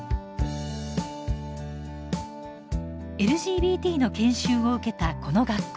ＬＧＢＴの研修を受けたこの学校。